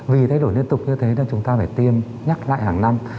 vì thay đổi liên tục như thế là chúng ta phải tiêm nhắc lại hàng năm